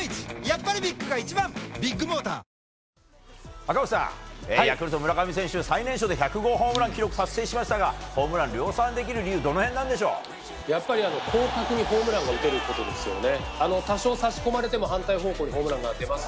赤星さん、ヤクルト村上選手最年少で１００号ホームランの記録を達成しましたがホームランを量産できる理由はやっぱり広角にホームランが打てることですよね。